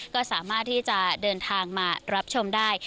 ก็สามารถที่จะเดินทางมารับชมได้